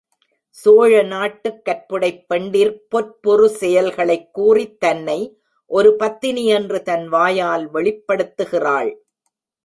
சோழ நாட்டுக் கற்புடைப் பெண்டிர் பொற்புறு செயல்களைக் கூறித் தன்னை ஒரு பத்தினி என்று தன் வாயால் வெளிப்படுத்துகிறாள்.